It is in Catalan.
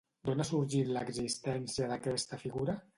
D'on ha sorgit l'existència d'aquesta figura?